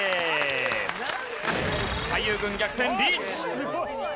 俳優軍逆転リーチ！